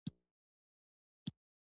زمونږ ديني علم زده کوونکي منطق ، فلسفه ،